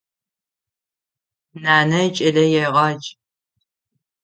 Нанэ кӏэлэегъадж.